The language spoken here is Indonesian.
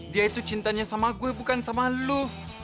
dia itu cintanya sama gue bukan sama lo